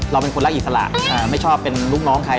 เราเป็นคนรักอิสระไม่ชอบเป็นลูกน้องใคร